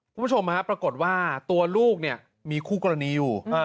คุณผู้ชมฮะปรากฏว่าตัวลูกเนี่ยมีคู่กรณีอยู่